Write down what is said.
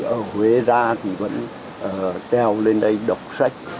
ở huế ra thì vẫn treo lên đây đọc sách